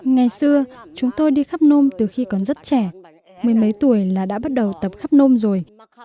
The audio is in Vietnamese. ngày xưa chúng tôi đi khắp nôm từ khi còn rất trẻ mười mấy tuổi là đã bắt đầu tập khắp nôm rồi